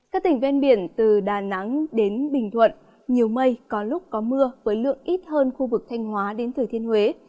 các tỉnh ven biển từ đà nẵng đến bình thuận nhiều mây có lúc có mưa với lượng ít hơn khu vực thanh hóa đến thừa thiên huế